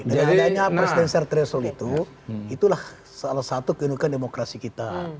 dari adanya presiden sertresul itu itulah salah satu keunungkan demokrasi kita